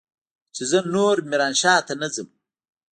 چې زه نور ميرانشاه ته نه ځم.